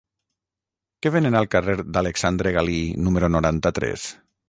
Què venen al carrer d'Alexandre Galí número noranta-tres?